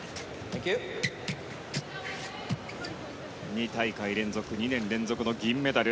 ２大会連続２年連続の銀メダル